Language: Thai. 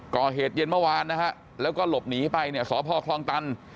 เย็นเมื่อวานนะฮะแล้วก็หลบหนีไปเนี่ยสพคลองตัน